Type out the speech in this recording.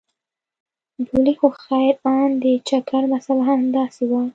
بولې خو خير ان د چکر مساله هم همداسې وه.